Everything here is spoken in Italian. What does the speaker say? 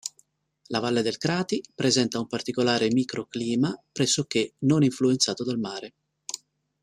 La valle del Crati presenta un particolare microclima, pressoché non influenzato dal mare.